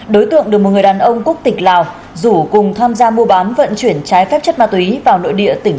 đối tượng được một người đàn ông quốc tịch lào rủ cùng tham gia mua bán vận chuyển trái phép chất ma túy vào nội địa tỉnh lào cai để tiêu thụ